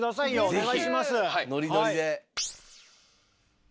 お願いします。